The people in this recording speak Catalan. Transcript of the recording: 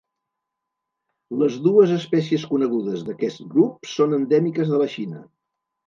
Les dues espècies conegudes d'aquest grup són endèmiques de la Xina.